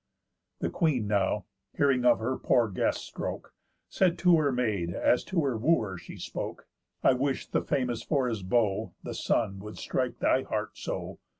The Queen now, hearing of her poor guest's stroke, Said to her maid (as to her Wooer she spoke), "I wish the famous for his bow, the Sun, Would strike thy heart so."